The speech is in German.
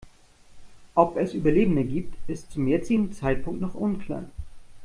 Ob es Überlebende gibt, ist zum jetzigen Zeitpunkt noch unklar.